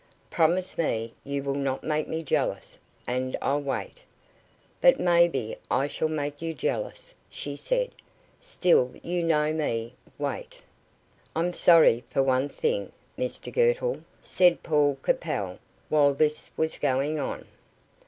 "Promise me you will not make me jealous, and I'll wait." "But maybe I shall make you jealous," she said. "Still, you know me. Wait." "I'm sorry for one thing, Mr Girtle," said Paul Capel, while this was going on.